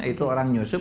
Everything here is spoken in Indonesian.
itu orang nyusup